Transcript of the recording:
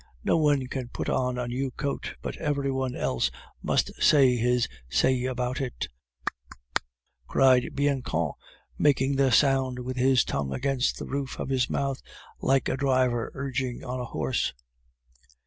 No one can put on a new coat but every one else must say his say about it. "Clk! clk! clk!" cried Bianchon, making the sound with his tongue against the roof of his mouth, like a driver urging on a horse.